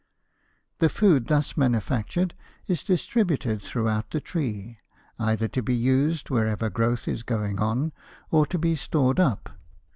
The food thus manufactured is distributed throughout the tree, either to be used wherever growth is going on, or to be stored up.